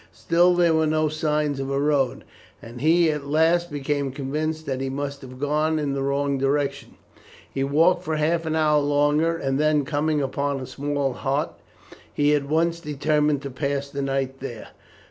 Still there were no signs of a road, and he at last became convinced that he must have gone in the wrong direction. He walked for half an hour longer, and then coming upon a small hut, he at once determined to pass the night there.